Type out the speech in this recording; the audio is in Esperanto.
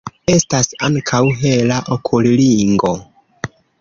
Estas ankaŭ hela okulringo.